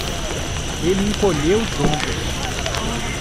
Ele encolheu os ombros.